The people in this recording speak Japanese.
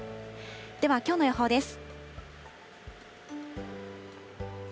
では、きょうの予報です。